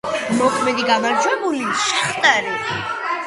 მოქმედი გამარჯვებულია „შახტარი“.